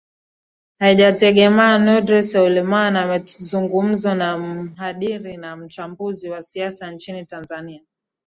haijatengemaa nurdin selumani amezungumzo na mhadiri na mchambuzi wa siasa nchini tanzania